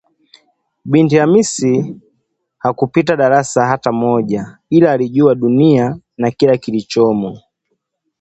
binti Khamisi hakupita darasa hata moja ila aliijua dunia na kila kilichomo